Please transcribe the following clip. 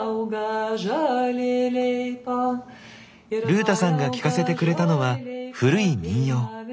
ルータさんが聴かせてくれたのは古い民謡。